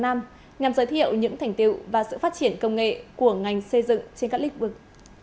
nhằm giới thiệu những thành tiệu và sự phát triển công nghệ của ngành xây dựng trên các lĩnh vực